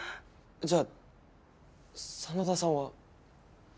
じゃあ真田さんは？